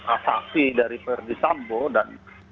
asasi dari perdisambo dan